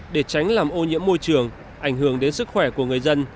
để tránh làm ô nhiễm môi trường ảnh hưởng đến sức khỏe của người dân